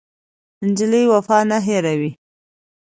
نجلۍ وفا نه هېروي.